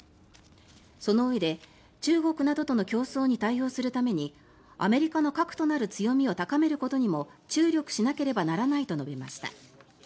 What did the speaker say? そのうえで中国などとの競争に対応するためにアメリカの核となる強みを高めることにも注力しなければならないと述べました。